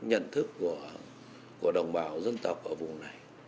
nhận thức của đồng bào dân tộc ở vùng này